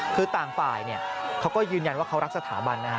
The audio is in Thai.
คือต่างฝ่ายเขาก็ยืนยันว่าเขารักสถาบันนะฮะ